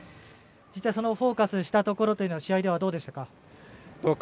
フォーカスしたところというのは試合では、どうでしたか？